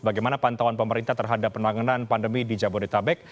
bagaimana pantauan pemerintah terhadap penanganan pandemi di jabodetabek